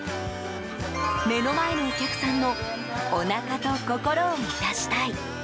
目の前のお客さんのおなかと心を満たしたい。